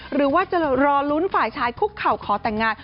หรือว่าจะรอลุ้นฝ่ายชายคุกเข่าขอแต่งงาน